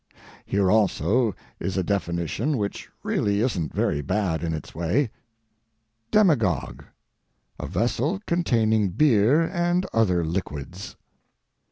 Here also is a definition which really isn't very bad in its way: Demagogue—a vessel containing beer and other liquids.